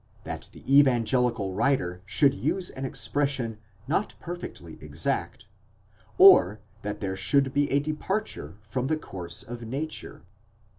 S01 that the evangelical writer should use an expression not perfectly exact, or that there should be a departure from the course of nature?